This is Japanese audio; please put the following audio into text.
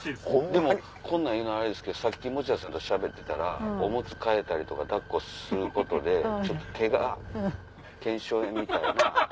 でもこんなん言うのあれですけどさっき持田さんとしゃべってたらおむつ替えたりとか抱っこすることでちょっと手が腱鞘炎みたいな。